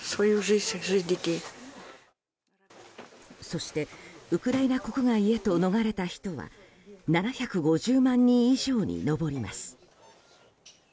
そしてウクライナ国外へと逃れた人は７５０万人以上に上ります。